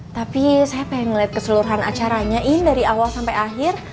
tapi saya pengen ngeliat keseluruhan acaranya ini dari awal sampai akhir